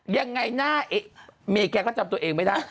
ยังไงหน้าเมย์แกก็จำตัวเองไม่ได้